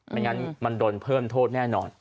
ไม่งั้นมันโดนเพิ่มโทษแน่นอน